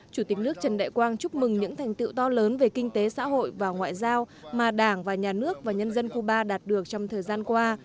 chủ tịch nước trần đại quang chúc mừng những thành tựu to lớn về kinh tế xã hội và ngoại giao mà đảng và nhà nước và nhân dân cuba đạt được trong thời gian qua